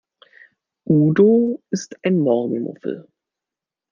Udo ist ein Morgenmuffel.